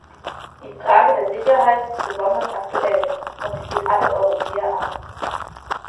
Die Frage der Sicherheit ist besonders aktuell, und sie geht alle Europäer an.